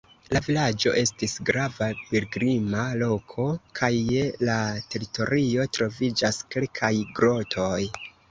La vilaĝo estas grava pilgrima loko, kaj je la teritorio troviĝas kelkaj grotoj.